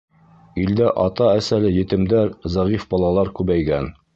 Илдә ата-әсәле етемдәр, зәғиф балалар күбәйгән.